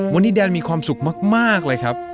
วันนี้แดนมีความสุขมากเลยครับ